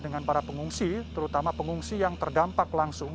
dengan para pengungsi terutama pengungsi yang terdampak langsung